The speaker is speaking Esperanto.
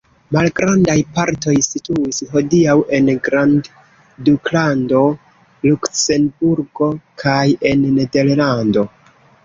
Malgrandaj partoj situis hodiaŭ en grandduklando Luksemburgo kaj en Nederlando.